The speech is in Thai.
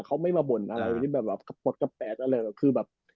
เขาไม่มาบ่นอะไรอย่างนี้แบบแบบกระป๋วกระแปดอะไรแบบคือแบบ